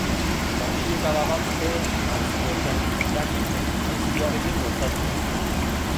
Katilukada bat te eman zioten, irakiten, eztiarekin gozatua.